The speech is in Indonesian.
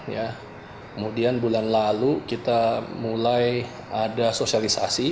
kemudian bulan lalu kita mulai ada sosialisasi